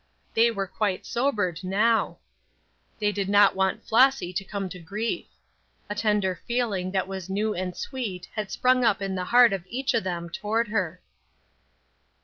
They were quite sobered now; they did not want Flossy to come to grief. A tender feeling that was new and sweet had sprung up in the heart of each of them toward her.